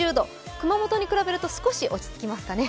熊本に比べると、少し落ち着きますかね。